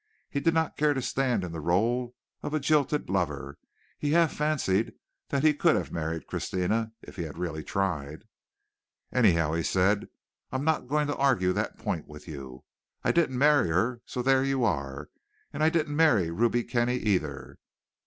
He did not care to stand in the rôle of a jilted lover. He half fancied that he could have married Christina if he had really tried. "Anyhow," he said, "I'm not going to argue that point with you. I didn't marry her, so there you are; and I didn't marry Ruby Kenny either.